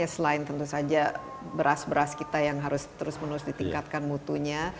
selain tentu saja beras beras kita yang harus terus menerus ditingkatkan mutunya